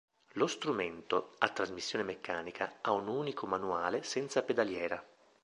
Lo strumento, a trasmissione meccanica, ha un unico manuale senza pedaliera.